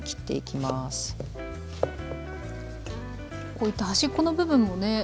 こういった端っこの部分もね